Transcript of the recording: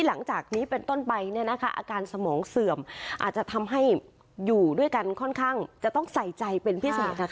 หลังจากนี้เป็นต้นไปอาการสมองเสื่อมอาจจะทำให้อยู่ด้วยกันค่อนข้างจะต้องใส่ใจเป็นพิเศษ